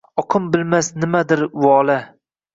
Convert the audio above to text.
Oqin bilmas nimadir vola.